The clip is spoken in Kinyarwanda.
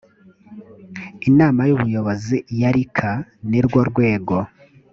inama y ubuyobozi ya rica ni rwo rwego